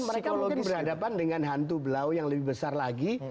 mereka mungkin berhadapan dengan hantu blau yang lebih besar lagi